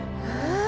え！